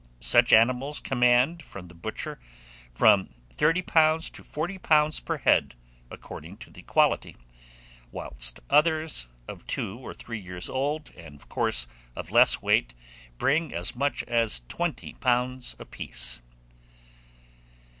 Such animals command from the butcher from £30 to £40 per head, according to the quality; whilst others, of two or three years old, and, of course, of less Weight, bring as much as £20 apiece.